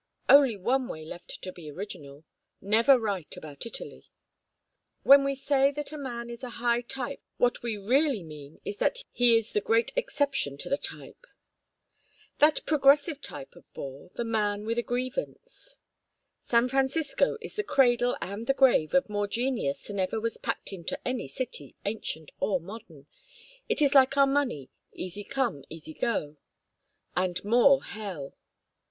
"Only one way left to be original never write about Italy." "When we say that a man is a high type what we really mean is that he is the great exception to the type." "That progressive type of bore the man with a grievance." "San Francisco is the cradle and the grave of more genius than ever was packed into any city, ancient or modern. It is like our money, 'easy come, easy go.'" "And more Hell."